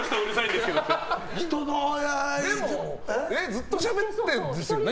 ずっとしゃべってるんですよね。